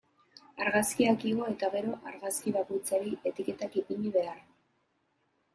Argazkiak igo eta gero, argazki bakoitzari etiketak ipini behar.